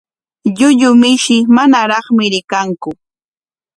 Llullu mishi manaraqmi rikanku.